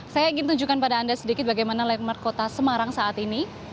saya ingin tunjukkan pada anda sedikit bagaimana landmark kota semarang saat ini